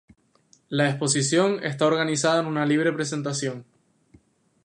La exposición está organizada en una libre presentación.